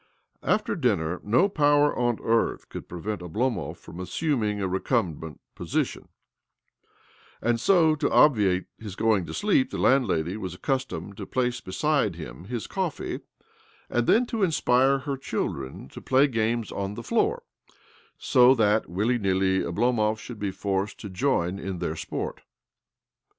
After dinner no power on earth could рте vent Oblomov from assuming a recumhent position ; so, to obviate his going to sleep, the landlady was accustomed to place beside him his coffee, and then to inspire her children to play games on the floor, so that, willy nilly, Oblomov should .be forced to join in their sport.